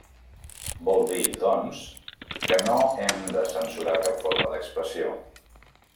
Vol dir, doncs, que no hem de censurar cap forma d'expressió.